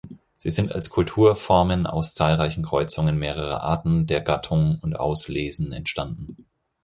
Sie sind als Kulturformen aus zahlreichen Kreuzungen mehrerer Arten der Gattung und Auslesen entstanden.